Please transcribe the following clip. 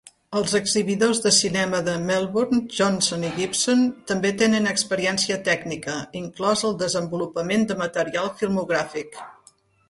Els exhibidors de cinema de Melbourne Johnson i Gibson també tenen experiència tècnica, inclòs el desenvolupament de material filmogràfic.